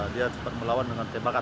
dia sempat melawan dengan tembakan